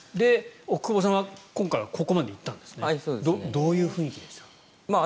奥窪さんは今回はここまで行ったんですねどういう雰囲気でした？